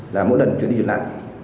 là mỗi lần truyền đi truyền lại